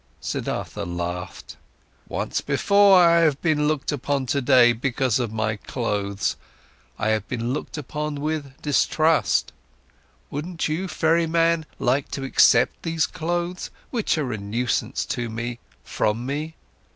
Siddhartha laughed. "Once before, I have been looked upon today because of my clothes, I have been looked upon with distrust. Wouldn't you, ferryman, like to accept these clothes, which are a nuisance to me, from me?